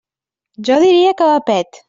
Jo diria que va pet.